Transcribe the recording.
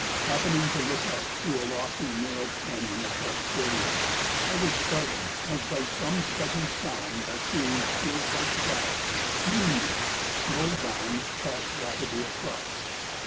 Happening to look up through a lofty, narrow canyon of dark foliage, I was startled as by some sudden sound by seeing a pure white cloud, moon lit, low down, pass rapidly across.